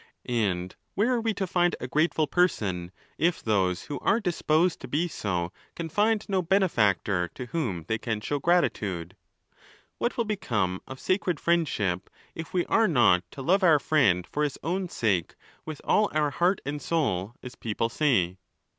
And where are we to find a grateful person, if those who are disposed to be so can find no bene factor to whom they can show gratitude? What will become of sacred friendship, if we are not to love our friend for his own sake with all our heart and soul, as people say?